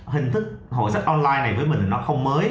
hình thức hội sách online này với mình nó không mới